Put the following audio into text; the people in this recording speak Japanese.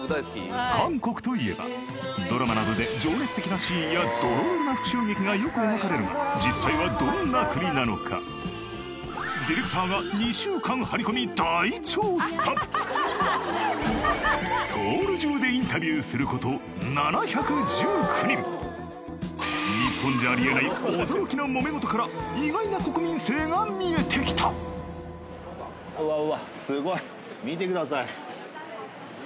韓国といえばドラマなどで情熱的なシーンやどろどろな復讐劇がよく描かれるがソウル中でインタビューすること日本じゃあり得ない驚きのモメゴトから意外な国民性が見えてきたうわうわすごい。